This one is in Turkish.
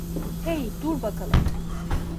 Hey, dur bakalım.